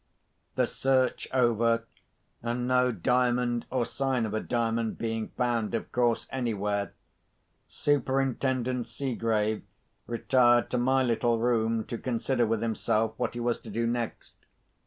The search over, and no Diamond or sign of a Diamond being found, of course, anywhere, Superintendent Seegrave retired to my little room to consider with himself what he was to do next.